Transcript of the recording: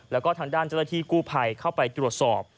แล้วก็ทางด้านเจฬกู้ภัยเข้าไปตรวจสอบ